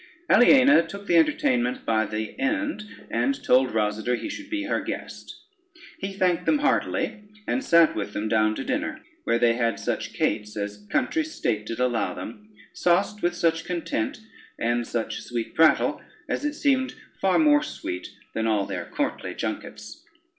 Aliena took the entertainment by the end, and told Rosader he should be her guest. He thanked them heartily, and sate with them down to dinner, where they had such cates as country state did allow them, sauced with such content, and such sweet prattle, as it seemed far more sweet than all their courtly junkets.